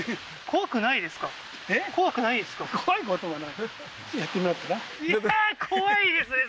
怖くないですか？